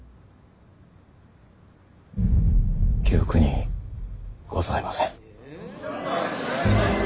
記憶にございません。